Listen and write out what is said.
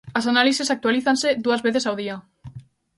As análises actualízanse dúas veces ao día.